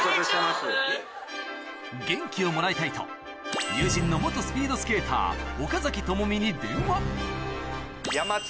元気をもらいたいと友人の元スピードスケーター岡崎朋美に電話